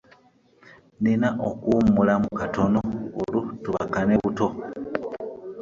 Nnina okuwummulamu katono olwo tubakane buto.